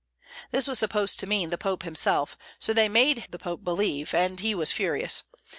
This was supposed to mean the Pope himself, so they made the Pope believe, and he was furious.